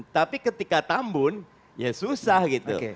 tapi ketika tambun ya susah gitu